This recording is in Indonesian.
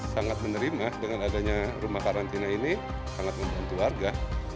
sangat menerima dengan adanya rumah karantina ini sangat membantu warga